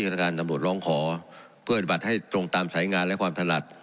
ศาลการณ์อำนวตรร้องขอเพื่อบัตรให้ตรงตามสายงานและความถลัด